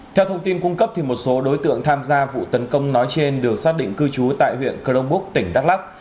theo thông tin cung cấp một số đối tượng tham gia vụ tấn công nói trên được xác định cư trú tại huyện crong búc tỉnh đắk lắc